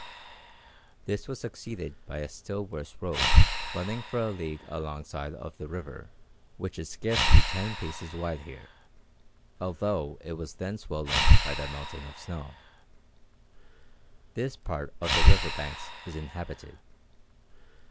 This was succeeded by a still worse road, running for a league alongside of the river, which is scarcely ten paces wide here, although it was then swollen by the melting of the snow. This part of the river banks is inhabited.